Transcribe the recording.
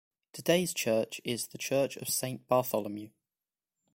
Today's church is the Church of Saint Bartholomew.